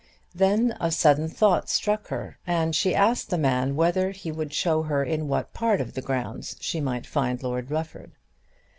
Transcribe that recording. Then a sudden thought struck her, and she asked the man whether he would show her in what part of the grounds she might find Lord Rufford.